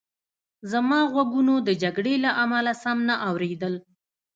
زما غوږونو د جګړې له امله سم نه اورېدل